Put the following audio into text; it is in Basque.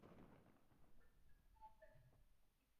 Gaurkoa kasu honetan gertatzen den hamargarren atxiloketa da.